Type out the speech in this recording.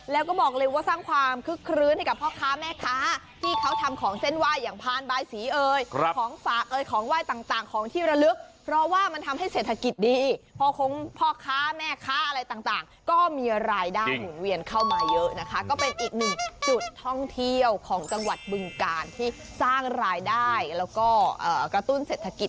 แล้วก็บอกเลยว่าสร้างความคึกคลื้นให้กับพ่อค้าแม่ค้าที่เขาทำของเส้นไหว้อย่างพานบายสีเอยของฝากเอ่ยของไหว้ต่างของที่ระลึกเพราะว่ามันทำให้เศรษฐกิจดีพ่อคงพ่อค้าแม่ค้าอะไรต่างก็มีรายได้หมุนเวียนเข้ามาเยอะนะคะก็เป็นอีกหนึ่งจุดท่องเที่ยวของจังหวัดบึงกาลที่สร้างรายได้แล้วก็กระตุ้นเศรษฐกิจ